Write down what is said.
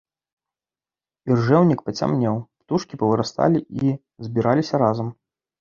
Іржэўнік пацямнеў, птушкі павырасталі і збіраліся разам.